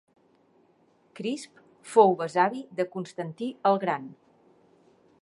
Crisp fou besavi de Constantí el gran.